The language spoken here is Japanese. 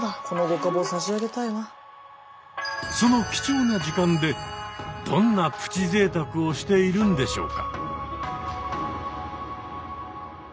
その貴重な時間でどんな「プチぜいたく」をしているんでしょうか？